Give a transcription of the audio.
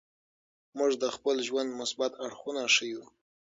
موږ د خپل ژوند مثبت اړخونه ښیو.